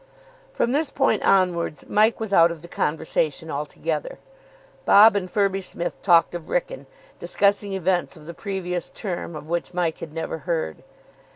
From this point onwards Mike was out of the conversation altogether. Bob and Firby Smith talked of Wrykyn, discussing events of the previous term of which Mike had never heard.